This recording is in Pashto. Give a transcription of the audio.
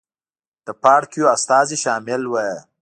د پاړکیو استازي شامل وو.